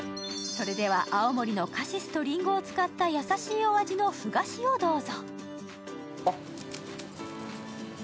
それでは、青森のカシスとりんごを使った優しいお味のふ菓子をどうぞ。